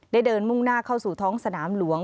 เดินมุ่งหน้าเข้าสู่ท้องสนามหลวง